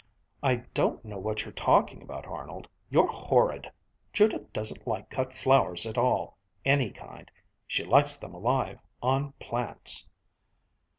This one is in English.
"I don't know what you're talking about, Arnold. You're horrid! Judith doesn't like cut flowers at all, any kind. She likes them alive, on plants."